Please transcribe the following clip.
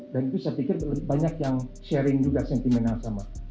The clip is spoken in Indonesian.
dan itu saya pikir banyak yang sharing juga sentimenal sama